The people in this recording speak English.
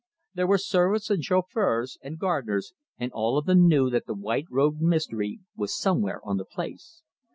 There were servants and chauffeurs and gardeners, and all of them knew that the white robed mystery was somewhere on the place.